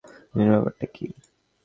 দুজনের ব্যাপারটা কী?